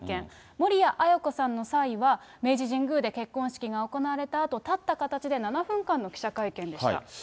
守谷絢子さんの際は、明治神宮で結婚式が行われたあと、立った形で７分間の記者会見でし